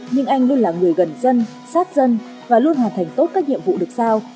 nhưng anh luôn là người gần dân sát dân và luôn hoàn thành tốt các nhiệm vụ được sao